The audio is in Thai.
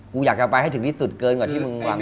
กูอยากจะไปให้ถึงที่สุดเกินกว่าที่มึงหวัง